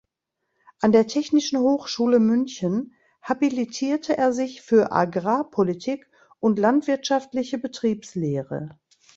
An der Technischen Hochschule München habilitierte er sich für Agrarpolitik und Landwirtschaftliche Betriebslehre.